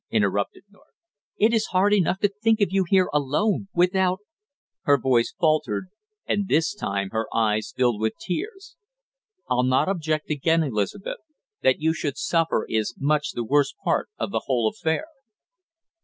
interrupted North. "It is hard enough to think of you here alone, without " Her voice faltered, and this time her eyes filled with tears. "I'll not object again, Elizabeth; that you should suffer is much the worst part of the whole affair!"